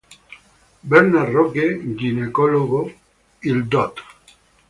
Bernd Rogge, ginecologo, il Dott.